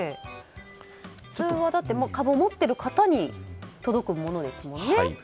それは株を持っている方に届くものですよね。